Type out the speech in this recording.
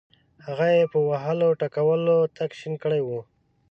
هغه یې په وهلو ټکولو تک شین کړی وو.